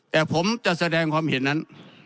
แต่ผมจะแสดงความเห็นนั้น